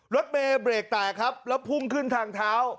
รถเมย์เบรกแตกครับแล้วพุ่งขึ้นทางเท้า